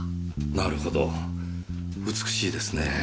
なるほど美しいですね。ねぇ。